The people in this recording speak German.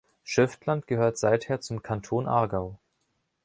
Schöftland gehört seither zum Kanton Aargau.